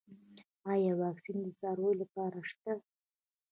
آیا واکسین د څارویو لپاره شته؟